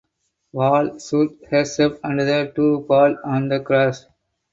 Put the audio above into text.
Val shoots herself and the two fall on the grass.